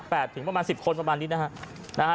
ถึงประมาณสิบคนประมาณนี้นะฮะนะฮะ